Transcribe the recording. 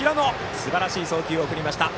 すばらしい送球を送りました。